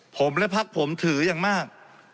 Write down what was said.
ผมและพักผมถืออย่างมาก